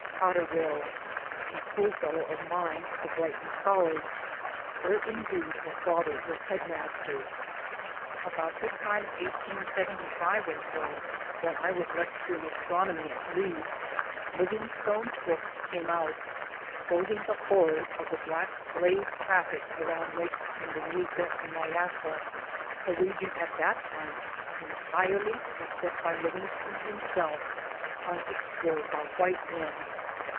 Cotterill a schoolfellow of mine at the Brighton .College where indeed his father was headmaster. About the time L ( I ^7.5 or 232 MY DAYS AND DREAMS so) when I was lecturing Astronomy at Leeds, Livingstone's book came out exposing the horrors of the black slave traffic around Lakes Tanganyika and Nyassa a region at that time entirely, except by Livingstone himself, unexplored by white men.